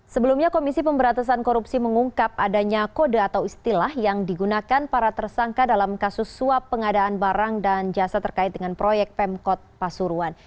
sebelumnya komisi pemberatasan korupsi mengungkap adanya kode atau istilah yang digunakan para tersangka dalam kasus suap pengadaan barang dan jasa terkait dengan proyek pemkot pasuruan